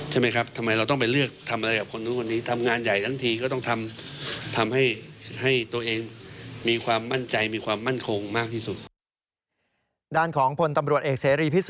ใช่ไหมครับทำไมเราต้องไปเลือกทำอะไรกับคนนู้นคนนี้